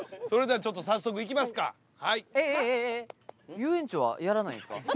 遊園地はやらないんですか？